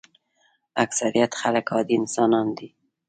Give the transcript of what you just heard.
اکثریت خلک عادي انسانان دي.